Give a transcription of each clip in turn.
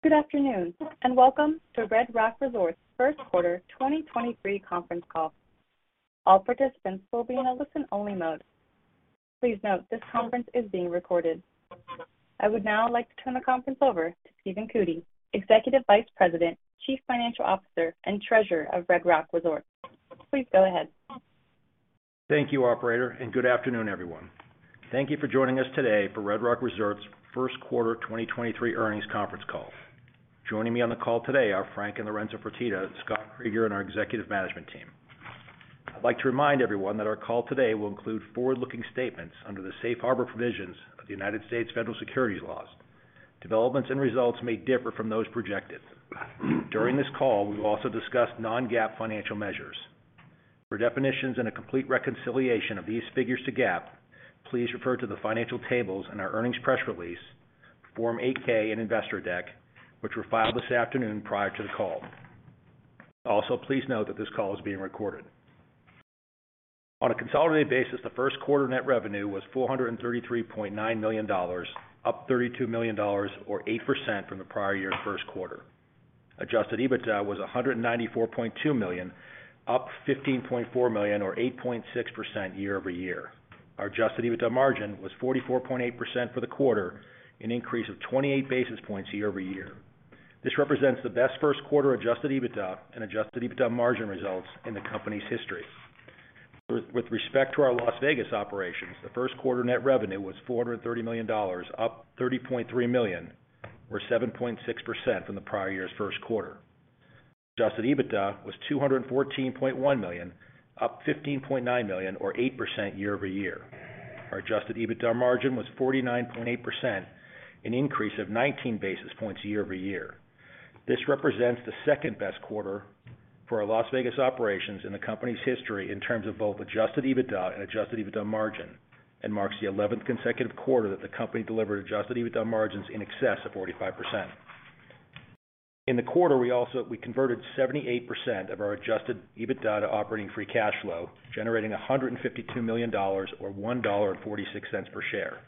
Good afternoon, and welcome to Red Rock Resorts first quarter 2023 conference call. All participants will be in a listen-only mode. Please note, this conference is being recorded. I would now like to turn the conference over to Stephen Cootey, Executive Vice President, Chief Financial Officer, and Treasurer of Red Rock Resorts. Please go ahead. Thank you, operator, and good afternoon, everyone. Thank you for joining us today for Red Rock Resorts first quarter 2023 earnings conference call. Joining me on the call today are Frank and Lorenzo Fertitta, Scott Kreeger, and our executive management team. I'd like to remind everyone that our call today will include forward-looking statements under the safe harbor provisions of the United States federal securities laws. Developments and results may differ from those projected. During this call, we will also discuss non-GAAP financial measures. For definitions and a complete reconciliation of these figures to GAAP, please refer to the financial tables in our earnings press release, Form 8-K, and investor deck, which were filed this afternoon prior to the call. Also, please note that this call is being recorded. On a consolidated basis, the first quarter net revenue was $433.9 million, up $32 million or 8% from the prior year's first quarter. Adjusted EBITDA was $194.2 million, up $15.4 million or 8.6% year-over-year. Our adjusted EBITDA margin was 44.8% for the quarter, an increase of 28 basis points year-over-year. This represents the best first quarter adjusted EBITDA and adjusted EBITDA margin results in the company's history. With respect to our Las Vegas operations, the first quarter net revenue was $430 million, up $30.3 million or 7.6% from the prior year's first quarter. Adjusted EBITDA was $214.1 million, up $15.9 million or 8% year-over-year. Our adjusted EBITDA margin was 49.8%, an increase of 19 basis points year-over-year. This represents the second-best quarter for our Las Vegas operations in the company's history in terms of both adjusted EBITDA and adjusted EBITDA margin and marks the 11th consecutive quarter that the company delivered adjusted EBITDA margins in excess of 45%. In the quarter, we converted 78% of our adjusted EBITDA to operating free cash flow, generating $152 million or $1.46 per share.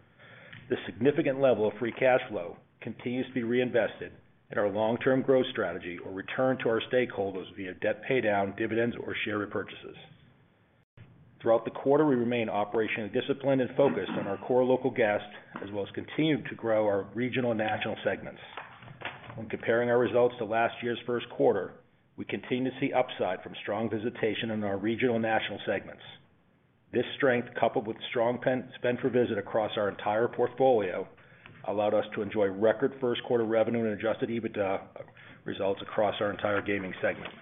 This significant level of free cash flow continues to be reinvested in our long-term growth strategy or returned to our stakeholders via debt pay down, dividends, or share repurchases. Throughout the quarter, we remained operationally disciplined and focused on our core local guests, as well as continued to grow our regional and national segments. When comparing our results to last year's first quarter, we continue to see upside from strong visitation in our regional and national segments. This strength, coupled with stron spend per visit across our entire portfolio, allowed us to enjoy record first quarter revenue and adjusted EBITDA results across our entire gaming segment.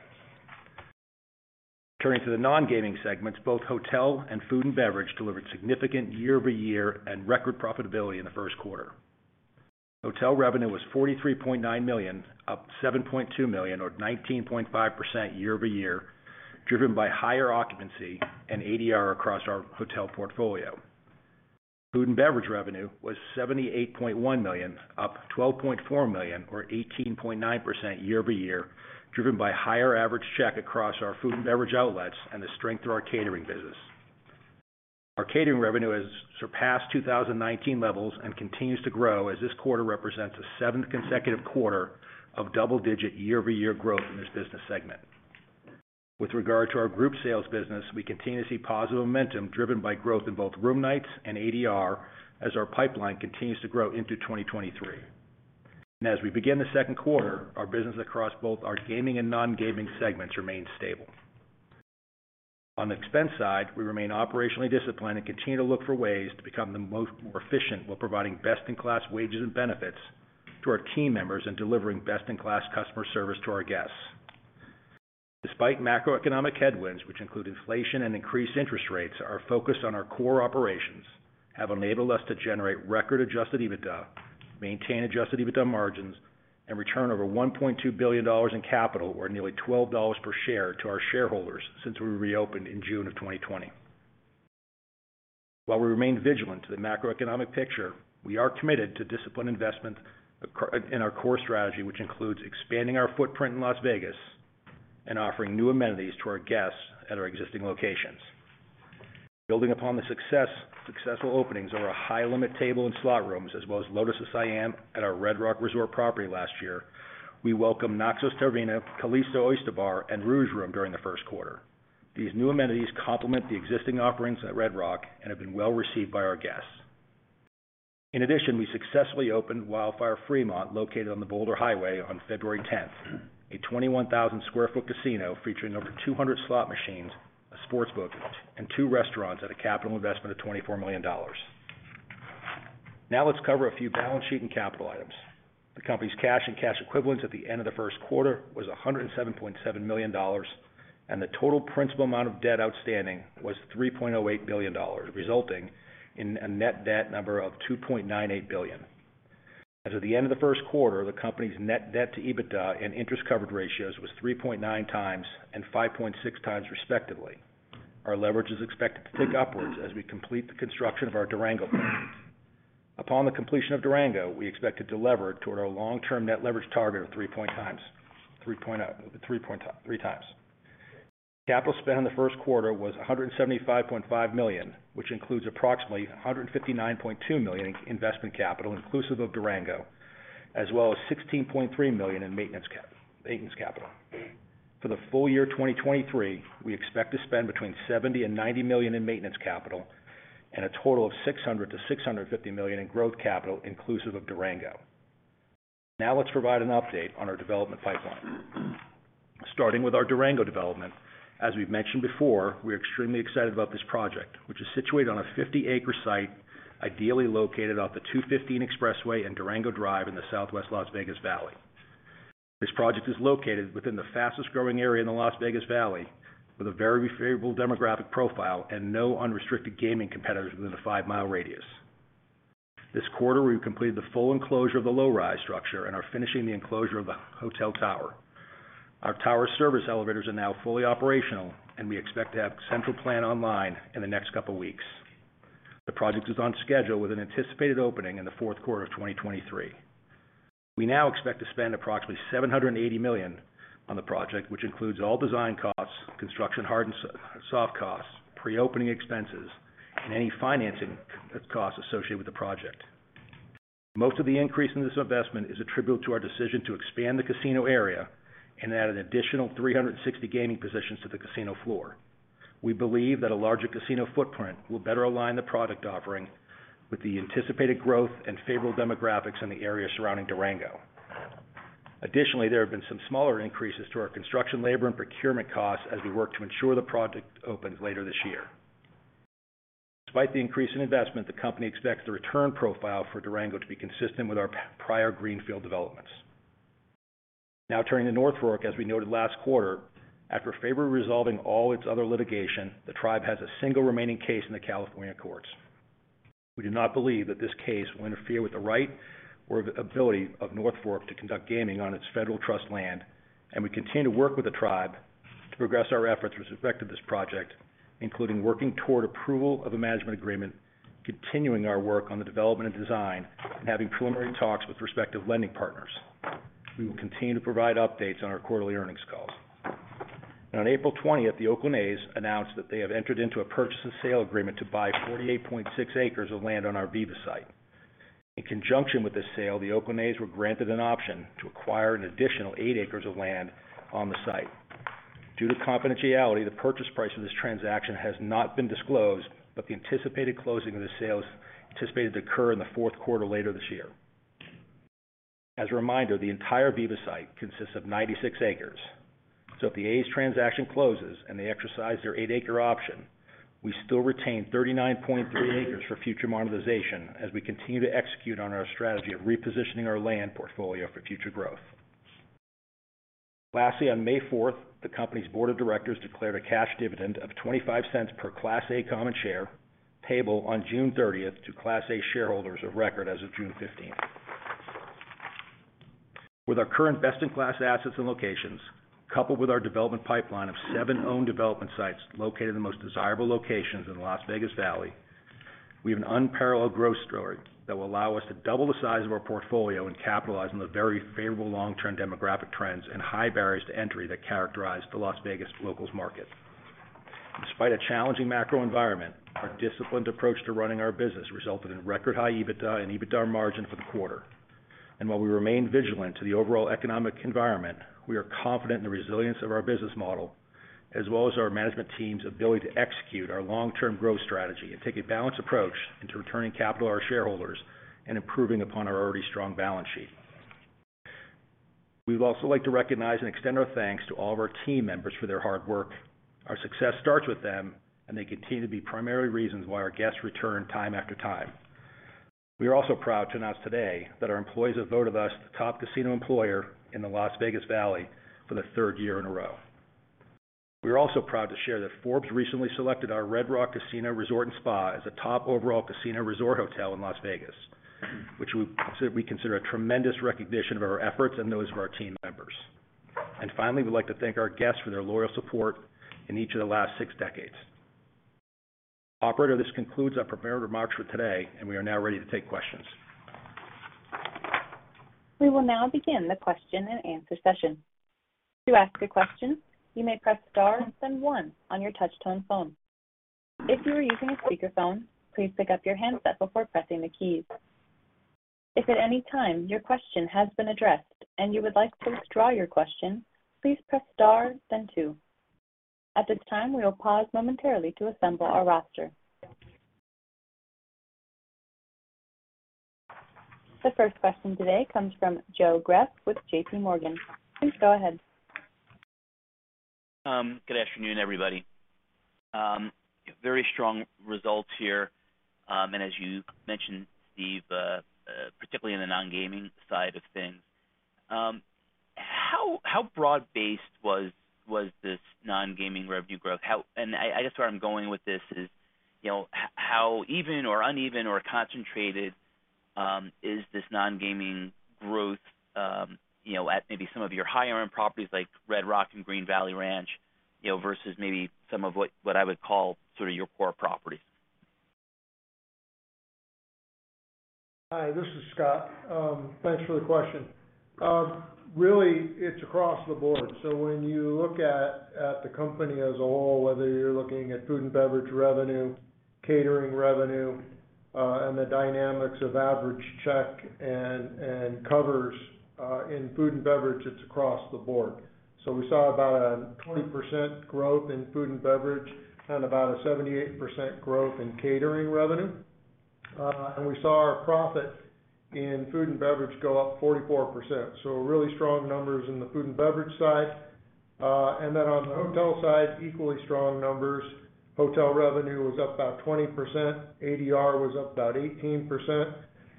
Turning to the non-gaming segments, both Hotel and Food and Beverage delivered significant year-over-year and record profitability in the first quarter. Hotel revenue was $43.9 million, up $7.2 million or 19.5% year-over-year, driven by higher occupancy and ADR across our hotel portfolio. Food and Beverage revenue was $78.1 million, up $12.4 million or 18.9% year-over-year, driven by higher average check across our Food and Beverage outlets and the strength of our catering business. Our catering revenue has surpassed 2019 levels and continues to grow as this quarter represents the seventh consecutive quarter of double-digit year-over-year growth in this business segment. With regard to our group sales business, we continue to see positive momentum driven by growth in both room nights and ADR as our pipeline continues to grow into 2023. As we begin the second quarter, our business across both our gaming and non-gaming segments remain stable. On the expense side, we remain operationally disciplined and continue to look for ways to become more efficient while providing best-in-class wages and benefits to our team members and delivering best-in-class customer service to our guests. Despite macroeconomic headwinds, which include inflation and increased interest rates, our focus on our core operations have enabled us to generate record adjusted EBITDA, maintain adjusted EBITDA margins, and return over $1.2 billion in capital, or nearly $12 per share, to our shareholders since we reopened in June of 2020. While we remain vigilant to the macroeconomic picture, we are committed to disciplined investment in our core strategy, which includes expanding our footprint in Las Vegas and offering new amenities to our guests at our existing locations. Building upon the successful openings of our high-limit table and slot rooms, as well as Lotus of Siam at our Red Rock Resorts property last year, we welcomed Naxos Taverna, Kallisto Oyster Bar, and Rouge Room during the first quarter. These new amenities complement the existing offerings at Red Rock and have been well received by our guests. In addition, we successfully opened Wildfire on Fremont, located on the Boulder Highway, on February 10th, a 21,000 sq ft casino featuring over 200 slot machines, a sports book, and two restaurants at a capital investment of $24 million. Let's cover a few balance sheet and capital items. The company's cash and cash equivalents at the end of the first quarter was $107.7 million, and the total principal amount of debt outstanding was $3.08 billion, resulting in a net debt number of $2.98 billion. At the end of the first quarter, the company's net debt to EBITDA and interest coverage ratios was 3.9 times and 5.6 times, respectively. Our leverage is expected to tick upwards as we complete the construction of our Durango property. Upon the completion of Durango, we expect it to lever toward our long-term net leverage target of 3 times. Capital spend in the first quarter was $175.5 million, which includes approximately $159.2 million in investment capital inclusive of Durango, as well as $16.3 million in maintenance capital. For the full year 2023, we expect to spend between $70 million and $90 million in maintenance capital and a total of $600 million-$650 million in growth capital inclusive of Durango. Let's provide an update on our development pipeline. Starting with our Durango development, as we've mentioned before, we're extremely excited about this project, which is situated on a 50-acre site, ideally located off the 215 expressway in Durango Drive in the southwest Las Vegas Valley. This project is located within the fastest-growing area in the Las Vegas Valley, with a very favorable demographic profile and no unrestricted gaming competitors within a 5-mile radius. This quarter, we've completed the full enclosure of the low-rise structure and are finishing the enclosure of the hotel tower. Our tower service elevators are now fully operational. We expect to have central plant online in the next couple weeks. The project is on schedule with an anticipated opening in the fourth quarter of 2023. We now expect to spend approximately $780 million on the project, which includes all design costs, construction, hard and soft costs, pre-opening expenses, and any financing costs associated with the project. Most of the increase in this investment is attributable to our decision to expand the casino area and add an additional 360 gaming positions to the casino floor. We believe that a larger casino footprint will better align the product offering with the anticipated growth and favorable demographics in the area surrounding Durango. Additionally, there have been some smaller increases to our construction labor and procurement costs as we work to ensure the project opens later this year. Despite the increase in investment, the company expects the return profile for Durango to be consistent with our prior greenfield developments. Turning to North Fork, as we noted last quarter, after favorably resolving all its other litigation, the tribe has a single remaining case in the California courts. We do not believe that this case will interfere with the right or the ability of North Fork to conduct gaming on its federal trust land, and we continue to work with the tribe to progress our efforts with respect to this project, including working toward approval of a management agreement, continuing our work on the development and design, and having preliminary talks with respective lending partners. We will continue to provide updates on our quarterly earnings calls. On April 20th, the Oakland A's announced that they have entered into a purchase and sale agreement to buy 48.6 acres of land on our Viva site. In conjunction with this sale, the A's were granted an option to acquire an additional 8 acres of land on the site. Due to confidentiality, the purchase price of this transaction has not been disclosed, but the anticipated closing of the sale is anticipated to occur in the fourth quarter later this year. As a reminder, the entire Viva site consists of 96 acres. If the A's transaction closes and they exercise their 8-acre option, we still retain 39.3 acres for future monetization as we continue to execute on our strategy of repositioning our land portfolio for future growth. Lastly, on May 4th, the company's board of directors declared a cash dividend of $0.25 per Class A common share, payable on June 30th to Class A shareholders of record as of June 15th. With our current best-in-class assets and locations, coupled with our development pipeline of seven owned development sites located in the most desirable locations in the Las Vegas Valley, we have an unparalleled growth story that will allow us to double the size of our portfolio and capitalize on the very favorable long-term demographic trends and high barriers to entry that characterize the Las Vegas locals market. Despite a challenging macro environment, our disciplined approach to running our business resulted in record high EBITDA and EBITDA margin for the quarter. While we remain vigilant to the overall economic environment, we are confident in the resilience of our business model, as well as our management team's ability to execute our long-term growth strategy and take a balanced approach into returning capital to our shareholders and improving upon our already strong balance sheet. We would also like to recognize and extend our thanks to all of our team members for their hard work. Our success starts with them, and they continue to be primary reasons why our guests return time after time. We are also proud to announce today that our employees have voted us the top casino employer in the Las Vegas Valley for the third year in a row. We are also proud to share that Forbes recently selected our Red Rock Casino Resort & Spa as a top overall casino resort hotel in Las Vegas, which we consider a tremendous recognition of our efforts and those of our team members. Finally, we'd like to thank our guests for their loyal support in each of the last six decades. Operator, this concludes our prepared remarks for today, and we are now ready to take questions. We will now begin the question-and-answer session. To ask a question, you may press star then one on your touch-tone phone. If you are using a speakerphone, please pick up your handset before pressing the keys. If at any time your question has been addressed and you would like to withdraw your question, please press star then two. At this time, we will pause momentarily to assemble our roster. The first question today comes from Joseph Greff with JPMorgan. Please go ahead. Good afternoon, everybody. Very strong results here. As you mentioned, Steve, particularly in the non-gaming side of things, how broad-based was this non-gaming revenue growth? And I guess where I'm going with this is, you know, how even or uneven or concentrated is this non-gaming growth, you know, at maybe some of your higher-end properties like Red Rock and Green Valley Ranch, you know, versus maybe some of what I would call sort of your core properties? Hi, this is Scott. Thanks for the question. Really, it's across the board. When you look at the company as a whole, whether you're looking at food and beverage revenue, catering revenue, and the dynamics of average check and covers in food and beverage, it's across the board. We saw about a 20% growth in food and beverage and about a 78% growth in catering revenue. And we saw our profit in food and beverage go up 44%. Really strong numbers in the food and beverage side. On the hotel side, equally strong numbers. Hotel revenue was up about 20%. ADR was up about 18%,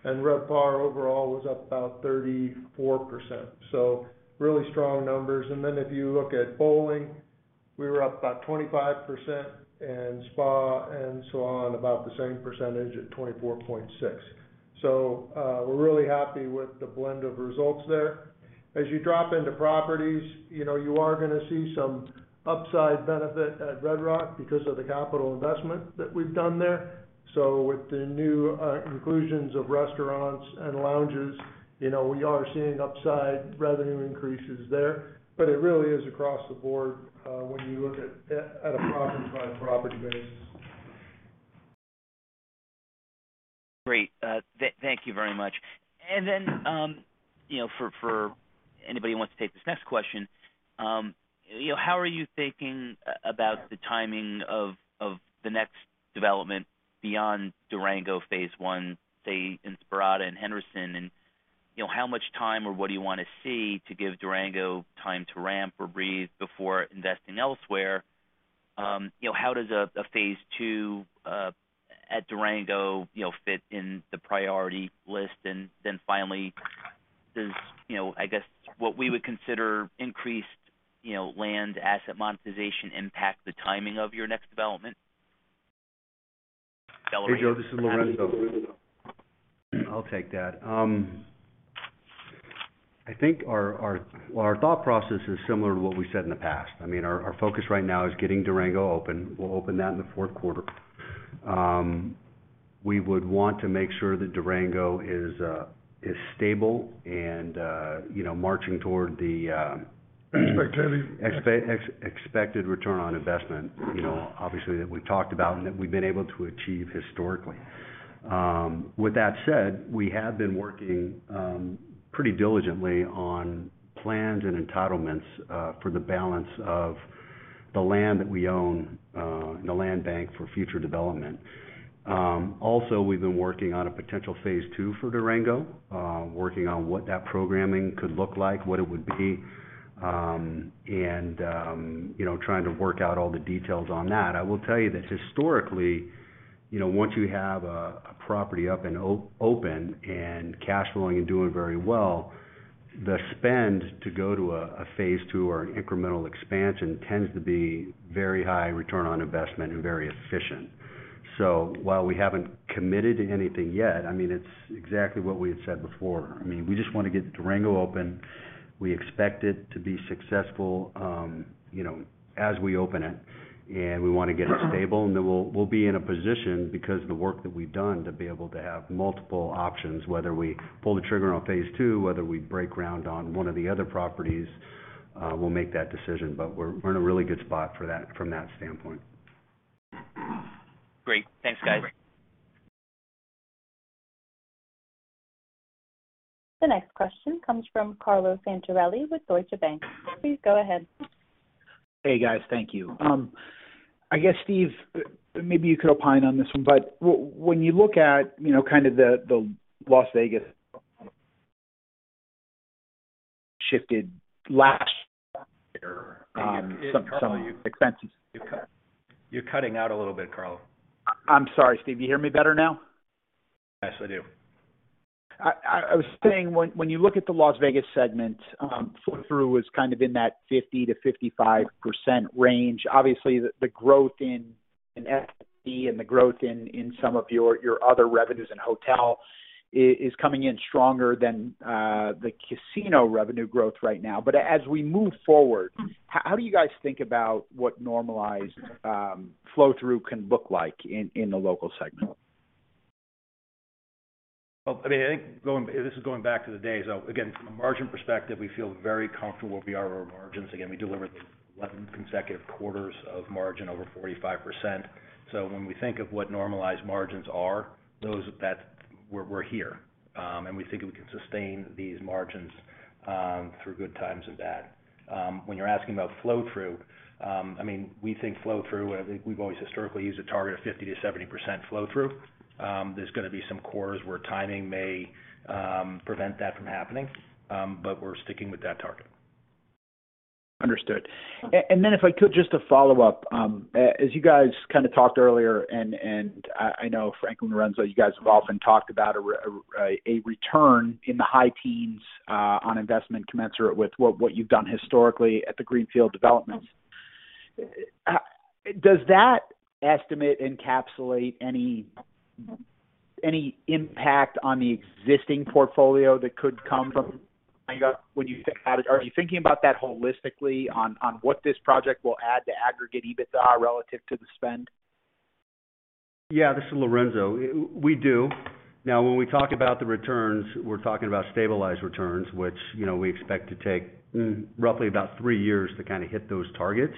and RevPAR overall was up about 34%. Really strong numbers. If you look at bowling, we were up about 25%, and spa and so on, about the same percentage at 24.6%. We're really happy with the blend of results there. As you drop into properties, you know, you are gonna see some upside benefit at Red Rock because of the capital investment that we've done there. With the new inclusions of restaurants and lounges, you know, we are seeing upside revenue increases there. It really is across the board when you look at a property-by-property basis. Great. Thank you very much. You know, for anybody who wants to take this next question. You know, how are you thinking about the timing of the next development beyond Durango phase one, say, in Inspirada and Henderson? You know, how much time or what do you wanna see to give Durango time to ramp or breathe before investing elsewhere? You know, how does a phase two at Durango, you know, fit in the priority list? Finally, does, you know, I guess, what we would consider increased, you know, land asset monetization impact the timing of your next development? Hey, Joe, this is Lorenzo. I'll take that. I think our, well, our thought process is similar to what we said in the past. I mean, our focus right now is getting Durango open. We'll open that in the fourth quarter. We would want to make sure that Durango is stable and, you know, marching toward the. Expectations... expected return on investment, you know, obviously, that we've talked about and that we've been able to achieve historically. With that said, we have been working pretty diligently on plans and entitlements for the balance of the land that we own in the land bank for future development. Also, we've been working on a potential phase two for Durango, working on what that programming could look like, what it would be, and, you know, trying to work out all the details on that. I will tell you that historically, you know, once you have a property up and open and cash flowing and doing very well, the spend to go to a phase two or an incremental expansion tends to be very high return on investment and very efficient. While we haven't committed to anything yet, I mean, it's exactly what we had said before. I mean, we just wanna get Durango open. We expect it to be successful, you know, as we open it, and we wanna get it stable, and then we'll be in a position because of the work that we've done to be able to have multiple options, whether we pull the trigger on phase two, whether we break ground on one of the other properties, we'll make that decision. We're in a really good spot for that from that standpoint. Great. Thanks, guys. The next question comes from Carlo Santarelli with Deutsche Bank. Please go ahead. Hey, guys. Thank you. I guess, Steve, maybe you could opine on this one, but when you look at, you know, kind of the Las Vegas shifted last year, some expenses. You're cutting out a little bit, Carlo. I'm sorry, Steve. You hear me better now? Yes, I do. I was saying when you look at the Las Vegas segment, flow through was kind of in that 50%-55% range. Obviously, the growth in F&B and the growth in some of your other revenues in hotel is coming in stronger than the casino revenue growth right now. As we move forward, how do you guys think about what normalized flow through can look like in the local segment? Well, I mean, I think this is going back to the days of, again, from a margin perspective, we feel very comfortable where we are with our margins. Again, we delivered 11 consecutive quarters of margin over 45%. When we think of what normalized margins are, we're here. And we think we can sustain these margins through good times and bad. When you're asking about flow through, I mean, we think flow through, I think we've always historically used a target of 50%-70% flow through. There's gonna be some quarters where timing may prevent that from happening, but we're sticking with that target. Understood. Then if I could just to follow up, as you guys kinda talked earlier, and I know Frank and Lorenzo, you guys have often talked about a return in the high teens, on investment commensurate with what you've done historically at the Greenfield developments. Does that estimate encapsulate any impact on the existing portfolio that could come from- When you think about it, are you thinking about that holistically on what this project will add to aggregate EBITDA relative to the spend? Yeah, this is Lorenzo. We do. When we talk about the returns, we're talking about stabilized returns, which, you know, we expect to take, roughly about 3 years to kind of hit those targets.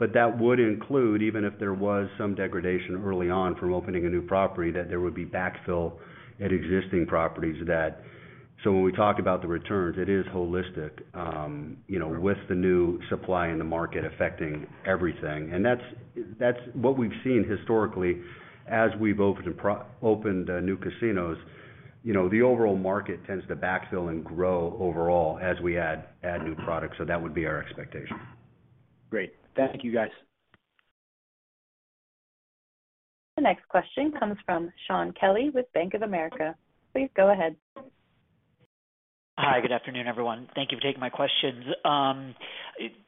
That would include, even if there was some degradation early on from opening a new property, that there would be backfill at existing properties that. When we talk about the returns, it is holistic, you know, with the new supply in the market affecting everything. That's what we've seen historically as we've opened new casinos. You know, the overall market tends to backfill and grow overall as we add new products. That would be our expectation. Great. Thank you, guys. The next question comes from Shaun Kelley with Bank of America. Please go ahead. Hi, good afternoon, everyone. Thank Thank you for taking my questions.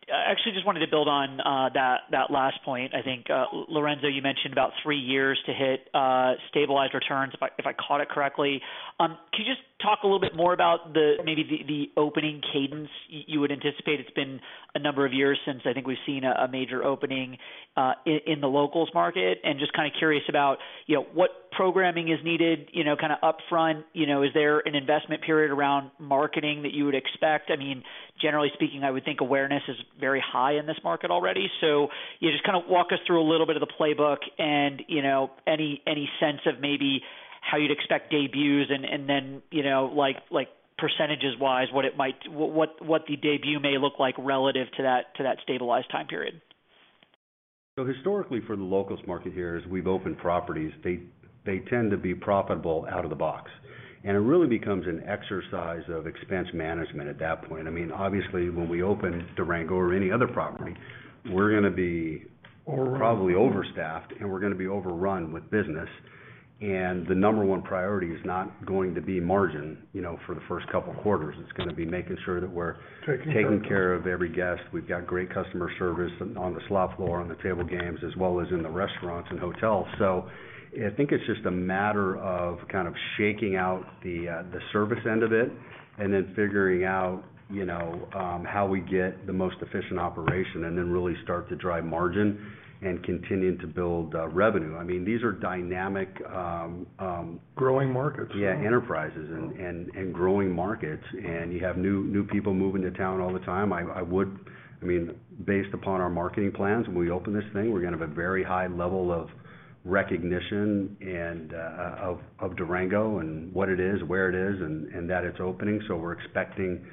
Actually just wanted to build on that last point. I think Lorenzo, you mentioned about three years to hit stabilized returns, if I caught it correctly. Could you just talk a little bit more about the opening cadence you would anticipate? It's been a number of years since I think we've seen a major opening in the locals market. Just kinda curious about, you know, what programming is needed, you know, kinda upfront. You know, is there an investment period around marketing that you would expect? I mean, generally speaking, I would think awareness is very high in this market already. Yeah, just kind of walk us through a little bit of the playbook and, you know, any sense of maybe how you'd expect debuts and then, you know, like percentages-wise, what the debut may look like relative to that stabilized time period. Historically, for the locals market here, as we've opened properties, they tend to be profitable out of the box. It really becomes an exercise of expense management at that point. I mean, obviously, when we open Durango or any other property, we're gonna be probably overstaffed, and we're gonna be overrun with business. The number one priority is not going to be margin, you know, for the first couple of quarters. It's gonna be making sure that we're taking care of every guest. We've got great customer service on the slot floor, on the table games, as well as in the restaurants and hotels. I think it's just a matter of kind of shaking out the service end of it and then figuring out, you know, how we get the most efficient operation and then really start to drive margin and continue to build revenue. I mean, these are dynamic. Growing markets. Yeah, enterprises and growing markets. You have new people moving to town all the time. I mean, based upon our marketing plans, when we open this thing, we're gonna have a very high level of recognition and of Durango and what it is, where it is, and that it's opening. We're expecting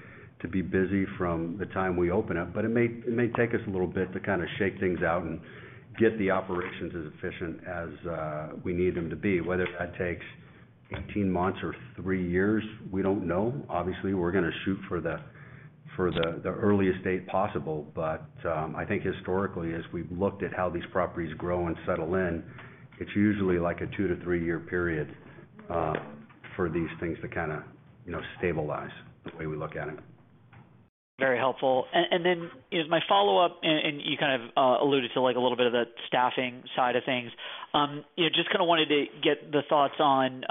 to be busy from the time we open up. It may take us a little bit to kind of shake things out and get the operations as efficient as we need them to be. Whether that takes 18 months or 3 years, we don't know. Obviously, we're gonna shoot for the earliest date possible. I think historically, as we've looked at how these properties grow and settle in, it's usually like a two-to-three-year period, for these things to kinda, you know, stabilize, the way we look at it. Very helpful. As my follow-up, and you kind of alluded to like a little bit of the staffing side of things, you know, just kinda wanted to get the thoughts on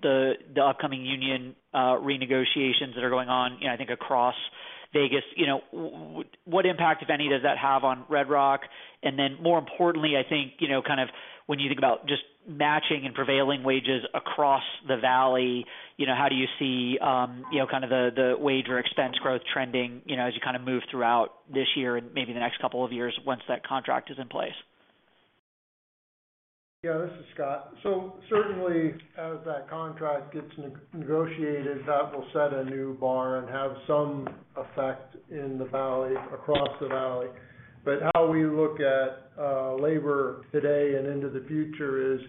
the upcoming union renegotiations that are going on, you know, I think across Vegas. You know, what impact, if any, does that have on Red Rock? More importantly, I think, you know, kind of when you think about just matching and prevailing wages across the valley, you know, how do you see, you know, kind of the wage or expense growth trending, you know, as you kinda move throughout this year and maybe the next couple of years once that contract is in place? Yeah, this is Scott. Certainly, as that contract gets negotiated, that will set a new bar and have some effect in the valley, across the valley. How we look at labor today and into the future is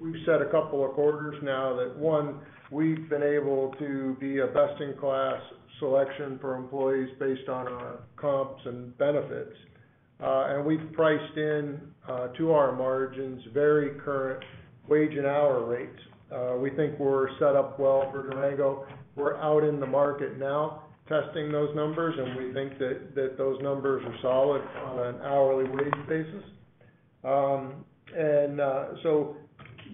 we've set a couple of quarters now that, one, we've been able to be a best-in-class selection for employees based on our comps and benefits. And we've priced in to our margins very current wage and hour rates. We think we're set up well for Durango. We're out in the market now testing those numbers, and we think that those numbers are solid on an hourly wage basis.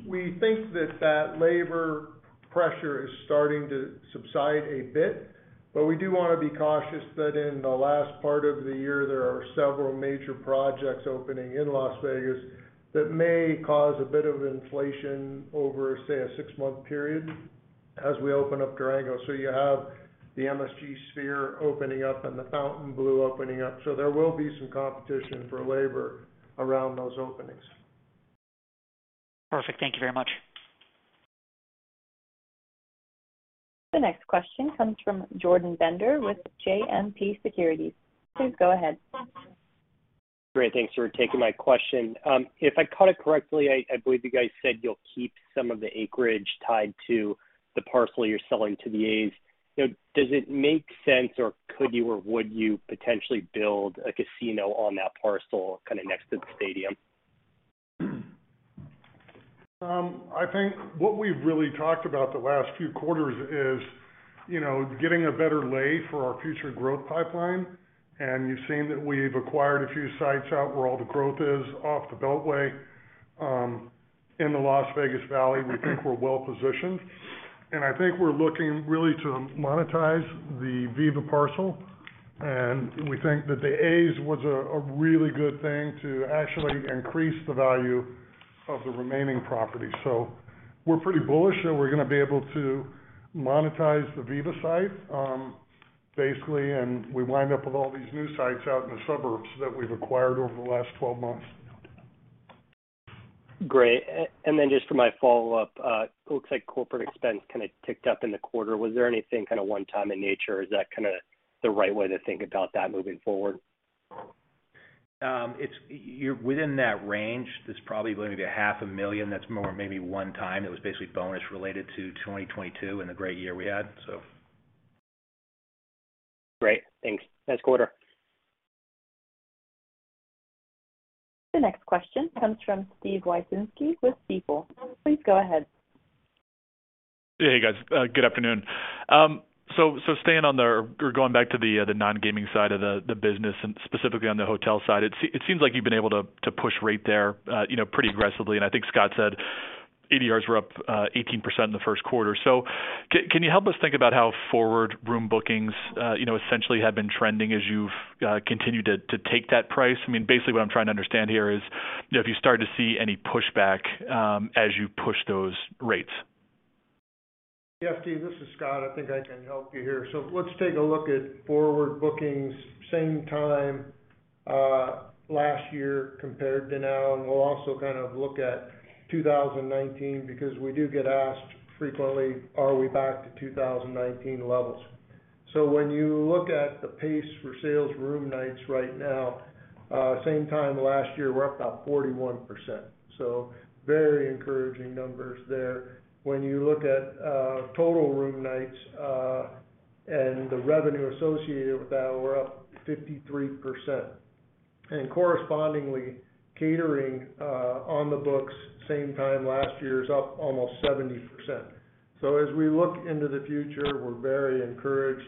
We think that that labor pressure is starting to subside a bit, but we do wanna be cautious that in the last part of the year, there are several major projects opening in Las Vegas that may cause a bit of inflation over, say, a six-month period as we open up Durango. You have the MSG Sphere opening up and the Fontainebleau opening up. There will be some competition for labor around those openings. Perfect. Thank you very much. The next question comes from Jordan Bender with JMP Securities. Please go ahead. Great. Thanks for taking my question. If I caught it correctly, I believe you guys said you'll keep some of the acreage tied to the parcel you're selling to the A's. You know, does it make sense, or could you or would you potentially build a casino on that parcel kinda next to the stadium? I think what we've really talked about the last few quarters is, you know, getting a better lay for our future growth pipeline. You've seen that we've acquired a few sites out where all the growth is off the Beltway. In the Las Vegas Valley, we think we're well positioned, I think we're looking really to monetize the Viva parcel. We think that the A's was a really good thing to actually increase the value of the remaining property. We're pretty bullish that we're gonna be able to monetize the Viva site, basically, and we wind up with all these new sites out in the suburbs that we've acquired over the last 12 months. Great. And then just for my follow-up, it looks like corporate expense kinda ticked up in the quarter. Was there anything kinda one-time in nature? Is that kinda the right way to think about that moving forward? You're within that range. There's probably going to be a half a million dollars that's more maybe one time. It was basically bonus related to 2022 and the great year we had so. Great. Thanks. Nice quarter. The next question comes from Steven Wieczynski with Stifel. Please go ahead. Hey, guys. Good afternoon. Staying on the or going back to the non-gaming side of the business and specifically on the hotel side, it seems like you've been able to push rate there, you know, pretty aggressively, and I think Scott said ADRs were up 18% in the first quarter. Can you help us think about how forward room bookings, you know, essentially have been trending as you've continued to take that price? I mean, basically what I'm trying to understand here is, you know, if you start to see any pushback as you push those rates. Yeah, Steve, this is Scott. I think I can help you here. Let's take a look at forward bookings same time last year compared to now, and we'll also kind of look at 2019 because we do get asked frequently, are we back to 2019 levels. When you look at the pace for sales room nights right now, same time last year, we're up about 41%, so very encouraging numbers there. When you look at total room nights and the revenue associated with that, we're up 53%. Correspondingly, catering on the books same time last year is up almost 70%. As we look into the future, we're very encouraged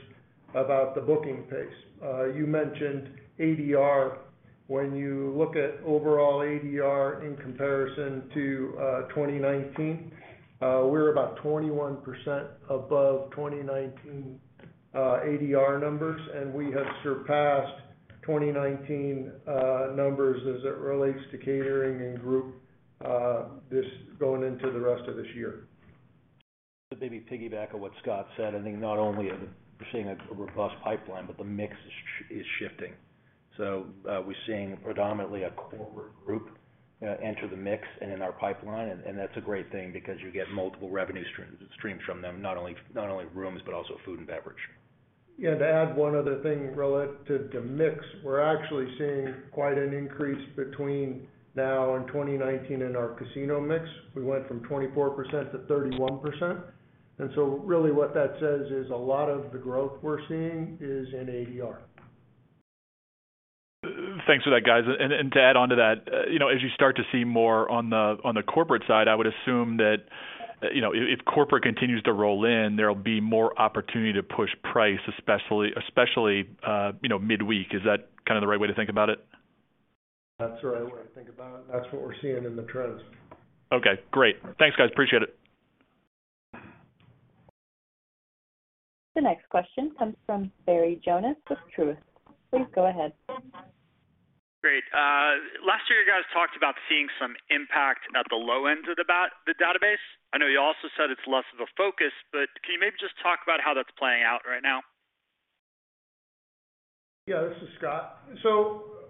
about the booking pace. You mentioned ADR. When you look at overall ADR in comparison to 2019, we're about 21% above 2019 ADR numbers, and we have surpassed 2019 numbers as it relates to catering and group, going into the rest of this year. To maybe piggyback on what Scott said, I think not only are we seeing a robust pipeline, but the mix is shifting. We're seeing predominantly a corporate group enter the mix and in our pipeline, and that's a great thing because you get multiple revenue streams from them, not only rooms, but also food and beverage. Yeah, to add one other thing relative to mix, we're actually seeing quite an increase between now and 2019 in our casino mix. We went from 24% to 31%. Really what that says is a lot of the growth we're seeing is in ADR. Thanks for that, guys. To add onto that, you know, as you start to see more on the corporate side, I would assume that, you know, if corporate continues to roll in, there'll be more opportunity to push price, especially, you know, midweek. Is that kinda the right way to think about it? That's the right way to think about it. That's what we're seeing in the trends. Okay, great. Thanks, guys. Appreciate it. The next question comes from Barry Jonas with Truist. Please go ahead. Great. Last year, you guys talked about seeing some impact at the low end of the database. I know you also said it's less of a focus, can you maybe just talk about how that's playing out right now? This is Scott.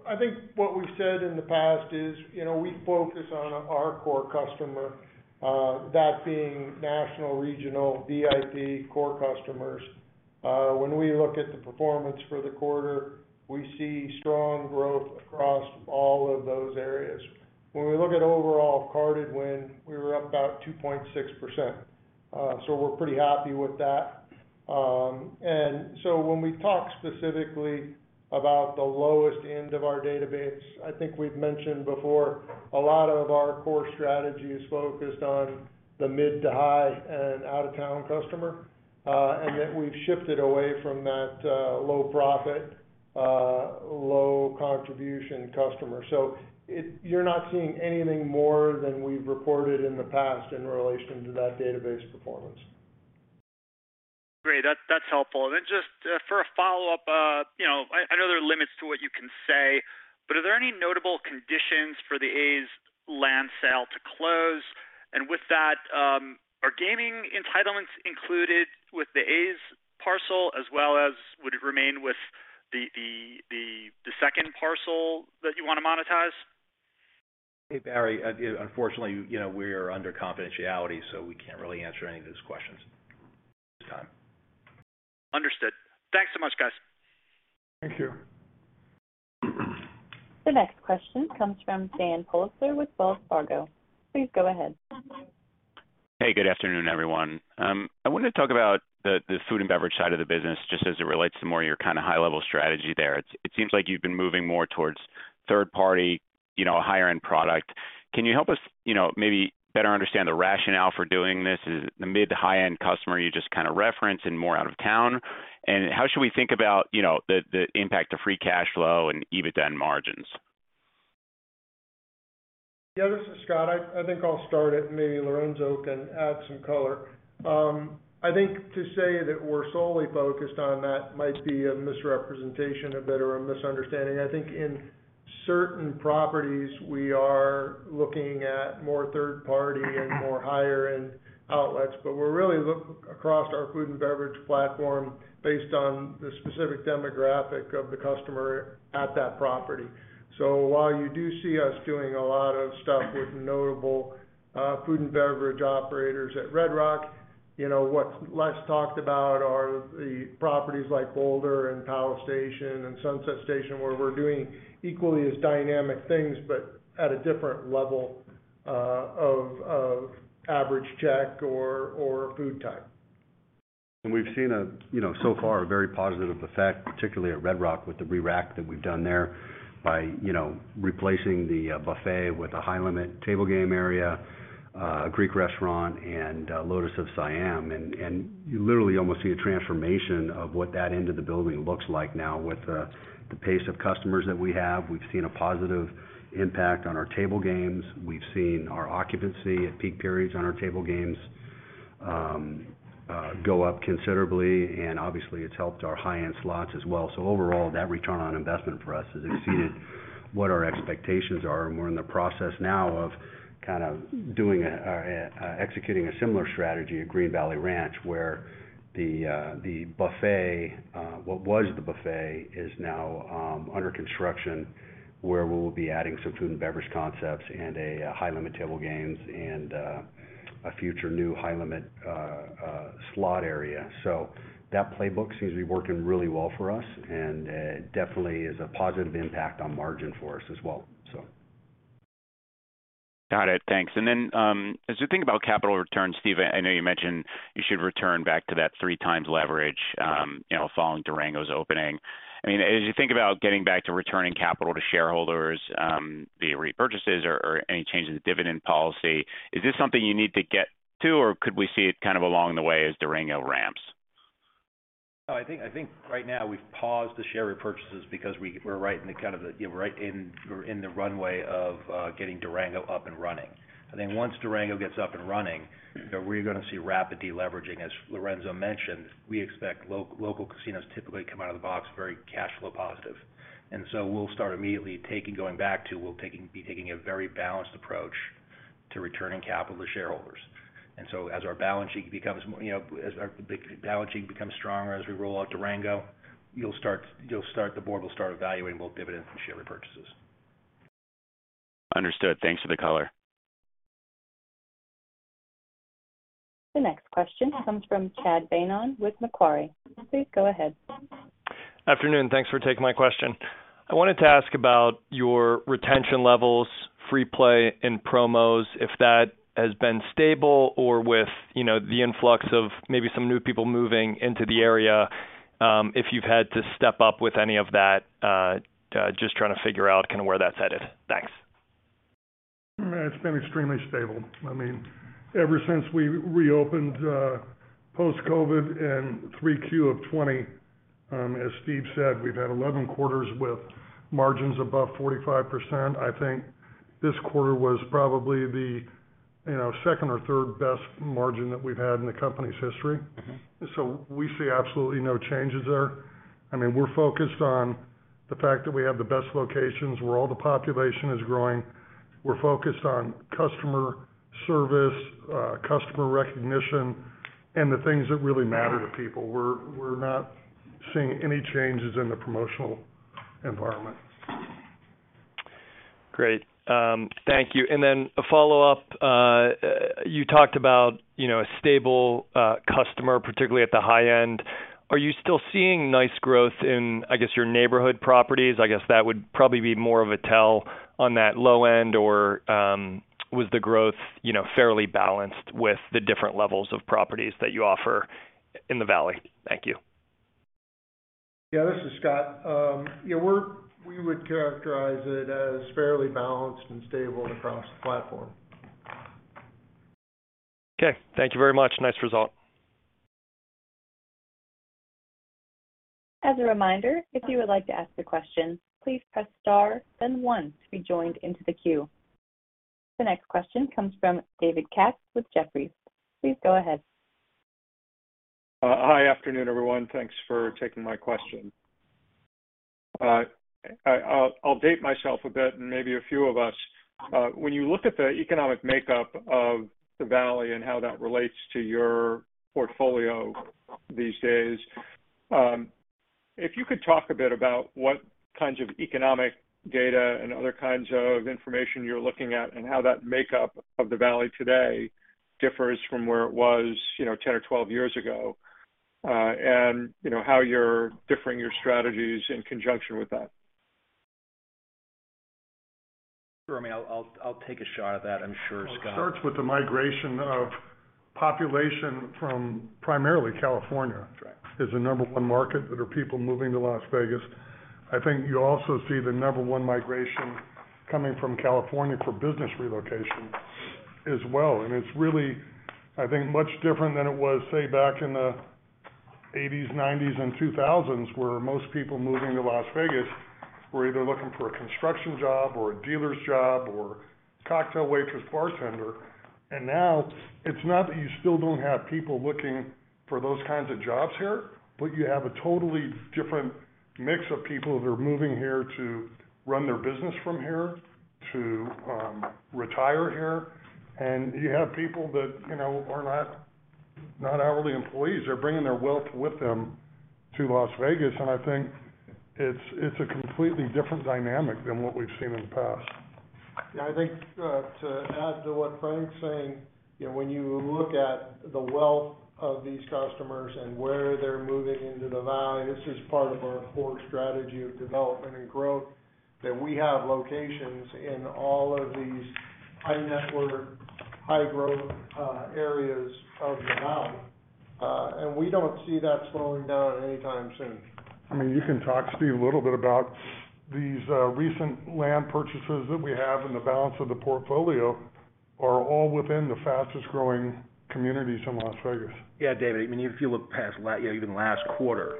I think what we've said in the past is, you know, we focus on our core customer, that being national, regional, VIP core customers. When we look at the performance for the quarter, we see strong growth across all of those areas. When we look at overall carded win, we were up about 2.6%, we're pretty happy with that. When we talk specifically about the lowest end of our database, I think we've mentioned before a lot of our core strategy is focused on the mid to high and out-of-town customer, and that we've shifted away from that low profit, low contribution customer. You're not seeing anything more than we've reported in the past in relation to that database performance. Great. That's helpful. Then just for a follow-up, you know, I know there are limits to what you can say, but are there any notable conditions for the A's land sale to close? With that, are gaming entitlements included with the A's parcel as well as would it remain with the second parcel that you wanna monetize? Hey, Barry, you know, unfortunately, you know, we are under confidentiality, so we can't really answer any of those questions at this time. Understood. Thanks so much, guys. Thank you. The next question comes from Daniel Politzer with Wells Fargo. Please go ahead. Hey, good afternoon, everyone. I wanted to talk about the food and beverage side of the business, just as it relates to more your kinda high-level strategy there. It seems like you've been moving more towards third-party, you know, higher-end product. Can you help us, you know, maybe better understand the rationale for doing this? Is it the mid-to-high-end customer you just kinda referenced and more out of town? How should we think about, you know, the impact to free cash flow and EBITDA and margins? Yeah, this is Scott. I think I'll start it, and maybe Lorenzo can add some color. I think to say that we're solely focused on that might be a misrepresentation a bit or a misunderstanding. I think in certain properties we are looking at more third party and more higher-end outlets, but we're really look across our food and beverage platform based on the specific demographic of the customer at that property. While you do see us doing a lot of stuff with notable food and beverage operators at Red Rock, you know, what's less talked about are the properties like Boulder and Palace Station and Sunset Station, where we're doing equally as dynamic things, but at a different level of average check or food type. We've seen a, you know, so far, a very positive effect, particularly at Red Rock with the re-rack that we've done there by, you know, replacing the buffet with a high-limit table game area, a Greek restaurant and Lotus of Siam. You literally almost see a transformation of what that end of the building looks like now with the pace of customers that we have. We've seen a positive impact on our table games. We've seen our occupancy at peak periods on our table games go up considerably, and obviously, it's helped our high-end slots as well. Overall, that return on investment for us has exceeded what our expectations are. We're in the process now of kind of doing a executing a similar strategy at Green Valley Ranch, where the buffet, what was the buffet, is now under construction, where we'll be adding some food and beverage concepts and a high-limit table games and a future new high-limit slot area. That playbook seems to be working really well for us, and it definitely is a positive impact on margin for us as well, so. Got it. Thanks. As you think about capital returns, Steve, I know you mentioned you should return back to that 3 times leverage, you know, following Durango's opening. I mean, as you think about getting back to returning capital to shareholders, via repurchases or any change in the dividend policy, is this something you need to get to, or could we see it kind of along the way as Durango ramps? No, I think right now we've paused the share repurchases because we're right in the kind of the, you know, right in, we're in the runway of getting Durango up and running. I think once Durango gets up and running, you know, we're gonna see rapid deleveraging. As Lorenzo mentioned, we expect local casinos typically come out of the box very cash flow positive. We'll start immediately taking, going back to be taking a very balanced approach to returning capital to shareholders. As our balance sheet becomes more, you know, as our balance sheet becomes stronger, as we roll out Durango, the board will start evaluating both dividends and share repurchases. Understood. Thanks for the color. The next question comes from Chad Beynon with Macquarie. Please go ahead. Afternoon. Thanks for taking my question. I wanted to ask about your retention levels, free play and promos, if that has been stable or with, you know, the influx of maybe some new people moving into the area, if you've had to step up with any of that, just trying to figure out kind of where that's headed? Thanks. It's been extremely stable. I mean, ever since we reopened, post-COVID in 3Q of 2020, as Steve said, we've had 11 quarters with margins above 45%. I think this quarter was probably the, you know, second or third best margin that we've had in the company's history. Mm-hmm. We see absolutely no changes there. I mean, we're focused on the fact that we have the best locations where all the population is growing. We're focused on customer service, customer recognition, and the things that really matter to people. We're not seeing any changes in the promotional environment. Great. Thank you. Then a follow-up. You talked about, you know, a stable customer, particularly at the high end. Are you still seeing nice growth in, I guess, your neighborhood properties? I guess that would probably be more of a tell on that low end or, was the growth, you know, fairly balanced with the different levels of properties that you offer in the valley? Thank you. Yeah, this is Scott. Yeah, we would characterize it as fairly balanced and stable across the platform. Okay. Thank you very much. Nice result. As a reminder, if you would like to ask a question, please press star, then one to be joined into the queue. The next question comes from David Katz with Jefferies. Please go ahead. Hi. Afternoon, everyone. Thanks for taking my question. I'll date myself a bit and maybe a few of us. When you look at the economic makeup of the valley and how that relates to your portfolio these days, if you could talk a bit about what kinds of economic data and other kinds of information you're looking at and how that makeup of the valley today differs from where it was, you know, 10 or 12 years ago, and you know, how you're differing your strategies in conjunction with that. Sure. I mean, I'll take a shot at that. I'm sure Scott- Well, it starts with the migration of population from primarily California- That's right.... is the number one market that are people moving to Las Vegas. I think you also see the number one migration coming from California for business relocation as well. It's really, I think, much different than it was, say back in the. '80s, '90s, and 2000s, where most people moving to Las Vegas were either looking for a construction job or a dealer's job or cocktail waitress, bartender. Now it's not that you still don't have people looking for those kinds of jobs here, but you have a totally different mix of people that are moving here to run their business from here, to retire here. You have people that, you know, are not hourly employees. They're bringing their wealth with them to Las Vegas. I think it's a completely different dynamic than what we've seen in the past. Yeah. I think, to add to what Frank's saying, you know, when you look at the wealth of these customers and where they're moving into the valley, this is part of our core strategy of development and growth, that we have locations in all of these high net worth, high growth, areas of the valley. We don't see that slowing down anytime soon. I mean, you can talk, Steve, a little bit about these, recent land purchases that we have and the balance of the portfolio are all within the fastest growing communities in Las Vegas. Yeah, David, I mean, if you look past you know, even last quarter,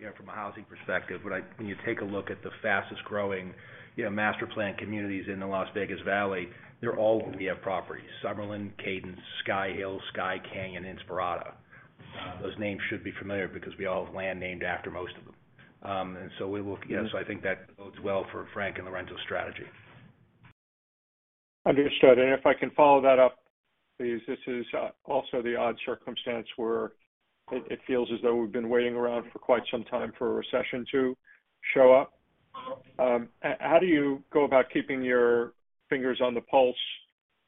you know, from a housing perspective, when you take a look at the fastest growing, you know, master plan communities in the Las Vegas valley, they're all where we have properties. Summerlin, Cadence, Skye Hills, Skye Canyon, Inspirada. Those names should be familiar because we all have land named after most of them. Yes, I think that bodes well for Frank and the rental strategy. Understood. If I can follow that up, please. This is also the odd circumstance where it feels as though we've been waiting around for quite some time for a recession to show up. How do you go about keeping your fingers on the pulse,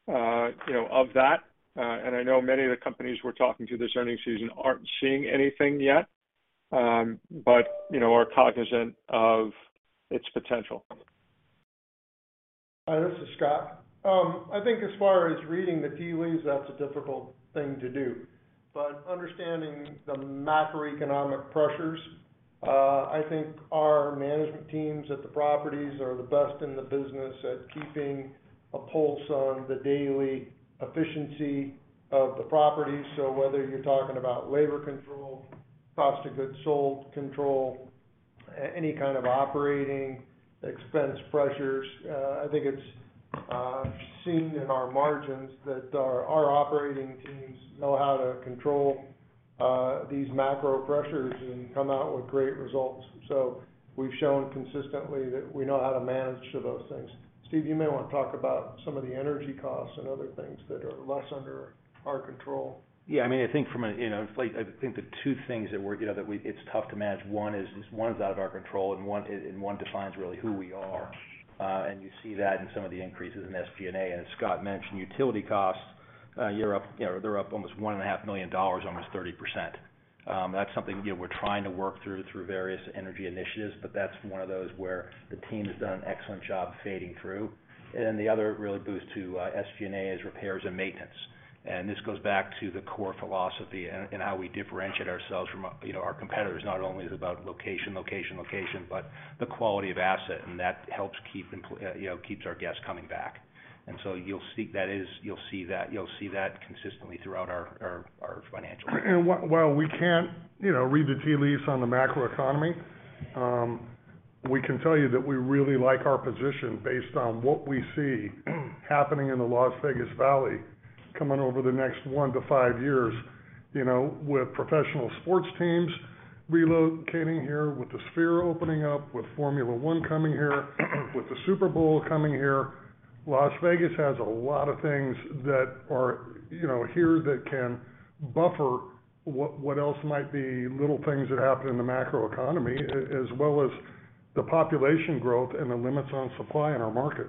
you know, of that? I know many of the companies we're talking to this earnings season aren't seeing anything yet, but, you know, are cognizant of its potential. Hi, this is Scott. I think as far as reading the tea leaves, that's a difficult thing to do. Understanding the macroeconomic pressures, I think our management teams at the properties are the best in the business at keeping a pulse on the daily efficiency of the property. Whether you're talking about labor control, cost of goods sold control, any kind of operating expense pressures, I think it's seen in our margins that our operating teams know how to control these macro pressures and come out with great results. We've shown consistently that we know how to manage those things. Steve, you may wanna talk about some of the energy costs and other things that are less under our control. I mean, I think from a, like I think the two things that we're, you know, it's tough to manage. One is one's out of our control and one defines really who we are. You see that in some of the increases in SG&A. As Scott mentioned, utility costs, you're up, you know, they're up almost $1.5 million, almost 30%. That's something, you know, we're trying to work through various energy initiatives, but that's one of those where the team has done an excellent job fading through. Then the other really boost to SG&A is repairs and maintenance. This goes back to the core philosophy and how we differentiate ourselves from, you know, our competitors. Not only is it about location, location, but the quality of asset, and that helps keep, you know, keeps our guests coming back. You'll see that consistently throughout our financials. While we can't, you know, read the tea leaves on the macroeconomy, we can tell you that we really like our position based on what we see happening in the Las Vegas Valley coming over the next 1-5 years. You know, with professional sports teams relocating here, with the Sphere opening up, with Formula One coming here, with the Super Bowl coming here, Las Vegas has a lot of things that are, you know, here that can buffer what else might be little things that happen in the macroeconomy, as well as the population growth and the limits on supply in our market.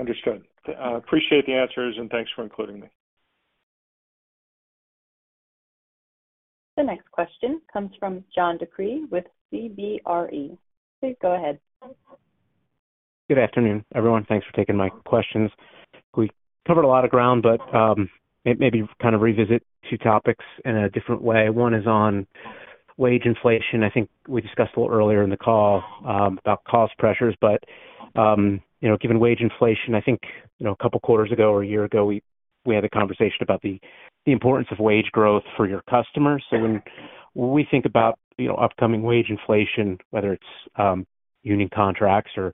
Understood. appreciate the answers, and thanks for including me. The next question comes from John DeCree with CBRE. Please go ahead. Good afternoon, everyone. Thanks for taking my questions. Maybe kind of revisit two topics in a different way. One is on wage inflation. I think we discussed a little earlier in the call about cost pressures. You know, given wage inflation, I think, you know, a couple of quarters ago or a year ago, we had a conversation about the importance of wage growth for your customers. When we think about, you know, upcoming wage inflation, whether it's union contracts or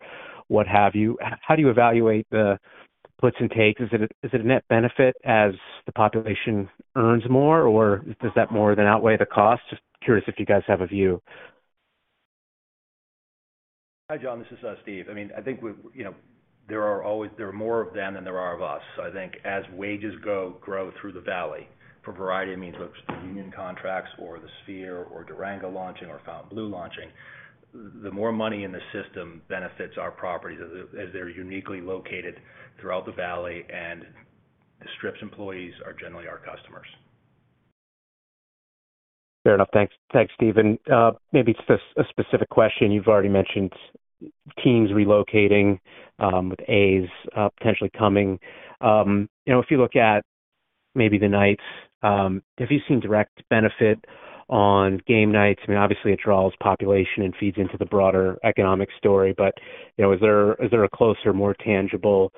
what have you, how do you evaluate the puts and takes? Is it a net benefit as the population earns more, or does that more than outweigh the cost? Just curious if you guys have a view. Hi, John, this is Steve. I mean, I think we, you know, there are always more of them than there are of us. I think as wages go, grow through the valley for a variety of means, whether it's the union contracts or the Sphere or Durango launching or Fontainebleau launching, the more money in the system benefits our properties as they're uniquely located throughout the valley, and the Strip's employees are generally our customers. Fair enough. Thanks. Thanks, Steve. Maybe just a specific question. You've already mentioned teams relocating, with A's potentially coming. You know, if you look at maybe the Knights, have you seen direct benefit on game nights? I mean, obviously it draws population and feeds into the broader economic story. You know, is there a closer, more tangible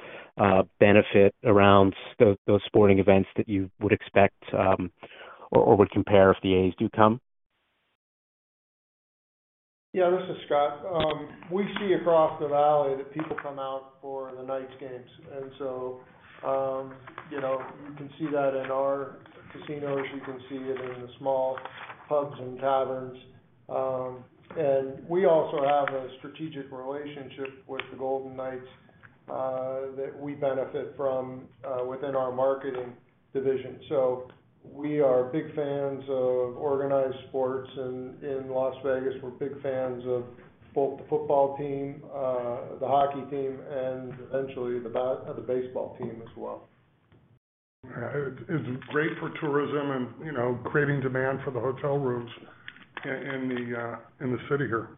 benefit around those sporting events that you would expect, or would compare if the A's do come? Yeah, this is Scott. We see across the valley that people come out for the Knights games. You know, you can see that in our casinos, you can see it in the small pubs and taverns. We also have a strategic relationship with the Golden Knights that we benefit from within our marketing division. We are big fans of organized sports in Las Vegas. We're big fans of the football team, the hockey team, and eventually the baseball team as well. Yeah. It's great for tourism and, you know, creating demand for the hotel rooms in the city here.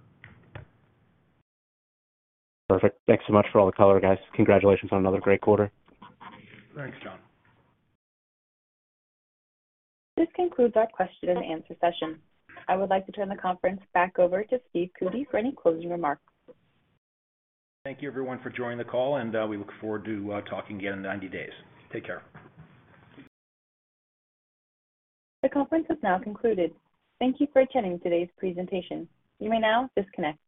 Perfect. Thanks so much for all the color, guys. Congratulations on another great quarter. Thanks, John. This concludes our question-and-answer session. I would like to turn the conference back over to Stephen Cootey for any closing remarks. Thank you, everyone, for joining the call. We look forward to talking again in 90 days. Take care. The conference has now concluded. Thank you for attending today's presentation. You may now disconnect.